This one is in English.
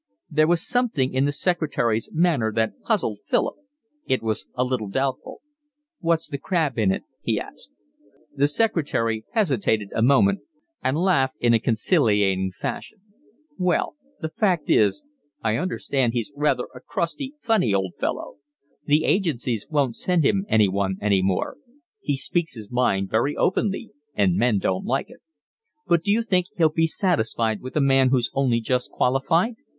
There was something in the secretary's manner that puzzled Philip. It was a little doubtful. "What's the crab in it?" he asked. The secretary hesitated a moment and laughed in a conciliating fashion. "Well, the fact is, I understand he's rather a crusty, funny old fellow. The agencies won't send him anyone any more. He speaks his mind very openly, and men don't like it." "But d'you think he'll be satisfied with a man who's only just qualified?